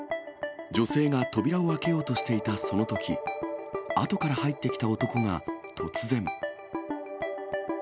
女性が扉を開けようとしていたそのとき、あとから入ってきた男が突然。